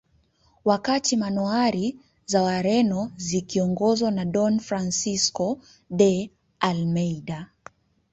Wakati manowari za Wareno zikiongozwa na Don Francisco de Almeida